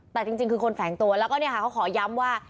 แต่จริงคือคนแฟ้งตัวแล้วก็เขาขอย้ำว่า